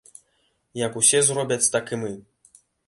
Як усе зробяць, так і мы!